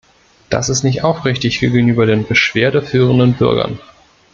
Das ist nicht aufrichtig gegenüber den beschwerdeführenden Bürgern.